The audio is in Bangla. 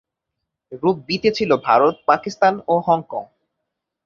গ্রুপ বি তে ছিলো ভারত, পাকিস্তান ও হংকং